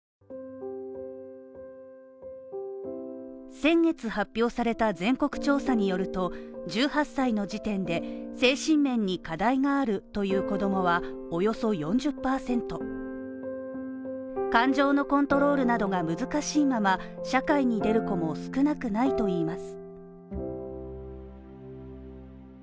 先月発表された全国調査によると、１８歳の時点で精神面に課題があるという子供はおよそ４０％感情のコントロールなどが難しいまま社会に出る子も少なくないといいます。